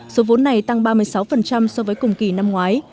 số vốn này tăng ba mươi sáu so với cùng kỳ năm ngoái